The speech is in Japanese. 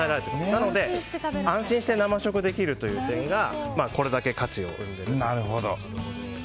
なので、安心して生食できる点がこれだけの価値を生んでいると。